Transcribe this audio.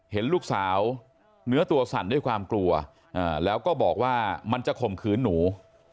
เห็นลูกสาวเนื้อตัวสั่นด้วยความกลัวแล้วก็บอกว่ามันจะข่มขืนหนู